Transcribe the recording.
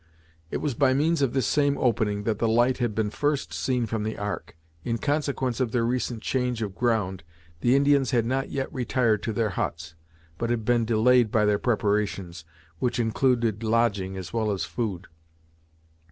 It was by means of this same opening that the light had been first seen from the ark. In consequence of their recent change of ground, the Indians had not yet retired to their huts, but had been delayed by their preparations, which included lodging as well as food.